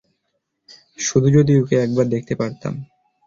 শুধু যদি ওকে একবার দেখতে পারতাম।